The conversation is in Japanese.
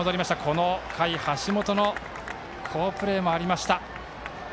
この回、橋本の好プレーもありました。